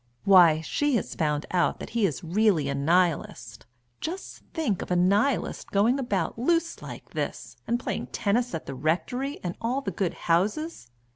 "Why, she has found out that he is really a Nihilist just think of a Nihilist going about loose like this, and playing tennis at the rectory and all the good houses!